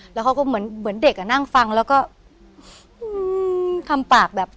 แล้วเขาก็เหมือนเหมือนเด็กอ่ะนั่งฟังแล้วก็คำปากแบบ